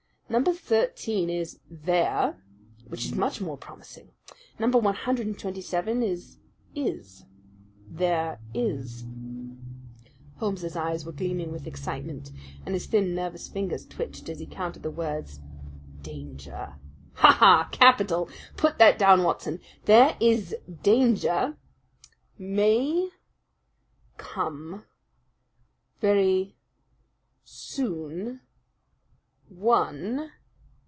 Number thirteen is 'There,' which is much more promising. Number one hundred and twenty seven is 'is' 'There is' " Holmes's eyes were gleaming with excitement, and his thin, nervous fingers twitched as he counted the words "'danger.' Ha! Ha! Capital! Put that down, Watson. 'There is danger may come very soon one.'